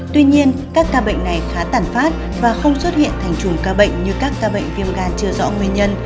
tuy nhiên các ca bệnh này khá tản phát và không xuất hiện thành chủng ca bệnh như các ca bệnh viêm gan chưa rõ nguyên nhân